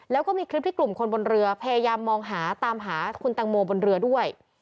แล้วก็มีคลิปที่กลุ่มคนบนเรือพยายามมองหาตามหาคุณตังโมบนเรือด้วย